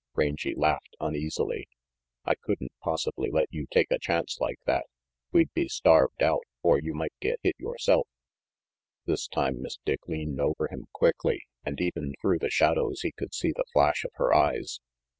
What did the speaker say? Rangy laughed uneasily. "I couldn't possibly let you take a chance like that. We'd be starved out, or you might get hit yoreself This time Miss Dick leaned over him quickly, and even through the shadows he could see the flash of her eyes.